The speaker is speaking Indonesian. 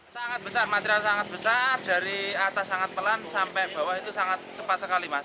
sangat besar material sangat besar dari atas sangat pelan sampai bawah itu sangat cepat sekali mas